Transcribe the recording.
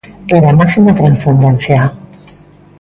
É da máxima transcendencia.